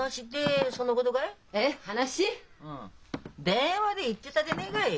電話で言ってたでねえがい。